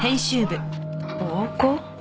暴行？